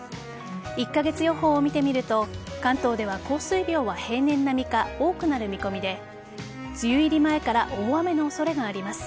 １カ月予報を見てみると関東では降水量は平年並みか多くなる見込みで梅雨入り前から大雨の恐れがあります。